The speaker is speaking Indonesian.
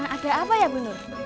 ada apa ya bu nur